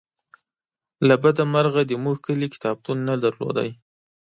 له بده مرغه زمونږ کلي کتابتون نه درلوده